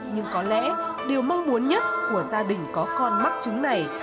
nhưng có lẽ điều mong muốn nhất của gia đình có con mắc chứng này